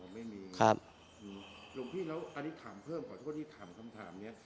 ไม่มีครับหลวงพี่แล้วอันนี้ถามเพิ่มขอโทษที่ถามคำถามเนี้ย